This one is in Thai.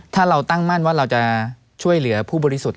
ถ้าเราตั้งมั่นว่าเราจะช่วยเหลือผู้บริสุทธิ์